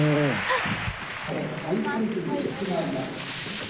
はい。